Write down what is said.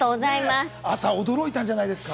朝、驚いたんじゃないですか？